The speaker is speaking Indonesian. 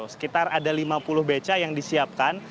sekitar ada lima puluh beca yang disiapkan